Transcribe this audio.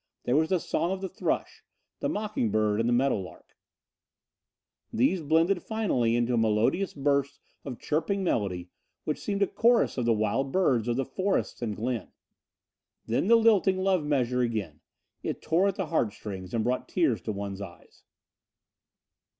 There was the song of the thrush, the mocking bird and the meadow lark. These blended finally into a melodious burst of chirping melody which seemed a chorus of the wild birds of the forest and glen. Then the lilting love measure again. It tore at the heart strings, and brought tears to one's eyes.